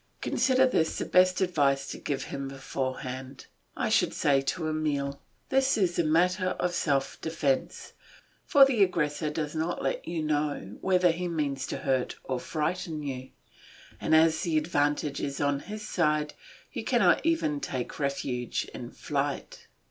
I consider this the best advice to give him beforehand. I should say to Emile, "This is a matter of self defence, for the aggressor does not let you know whether he means to hurt or frighten you, and as the advantage is on his side you cannot even take refuge in flight.